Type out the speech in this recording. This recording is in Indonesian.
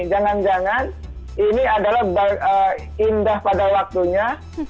jangan jangan ini adalah indah pada waktunya